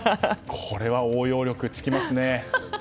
これは応用力つきますね。